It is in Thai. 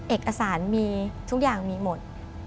เอกสารมีทุกอย่างมีหมด